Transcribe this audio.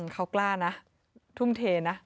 เขากล้านะทุ่มเทนะ